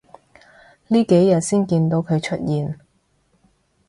呢幾日先見到佢出現